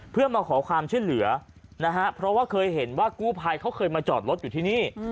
เพื่อมาขอความช่วยเหลือนะฮะเพราะว่าเคยเห็นว่ากู้ภัยเขาเคยมาจอดรถอยู่ที่นี่